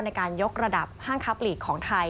ในการยกระดับห้างค้าปลีกของไทย